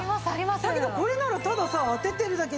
だけどこれならたださ当ててるだけ。